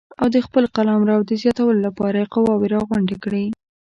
او د خپل قلمرو د زیاتولو لپاره یې قواوې راغونډې کړې.